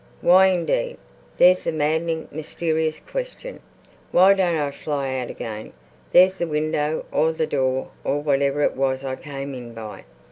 Why indeed? There's the maddening, mysterious question. Why don't I fly out again? There's the window or the door or whatever it was I came in by.